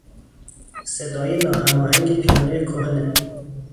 صداهای ناهماهنگ پیانوی کهنه